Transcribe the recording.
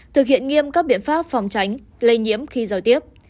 thực hiện nghiêm các biện pháp phòng tránh lây nhiễm khi giao tiếp